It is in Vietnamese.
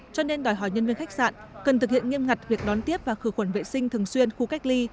cho nên đòi hỏi nhân viên khách sạn cần thực hiện nghiêm ngặt việc đón tiếp và khử khuẩn vệ sinh thường xuyên khu cách ly